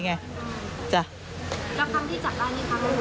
แล้วคำที่จับได้นี่คะบางที